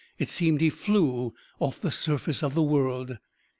It seemed he flew off the surface of the world.